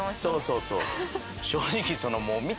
そうそうそう。